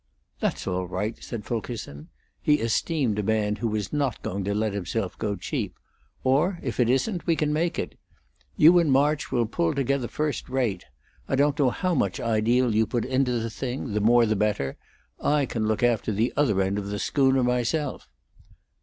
"That's all right," said Fulkerson. He esteemed a man who was not going to let himself go cheap. "Or if it isn't, we can make it. You and March will pull together first rate. I don't care how much ideal you put into the thing; the more the better. I can look after the other end of the schooner myself."